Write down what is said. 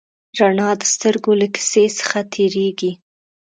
رڼا د سترګو له کسي څخه تېرېږي.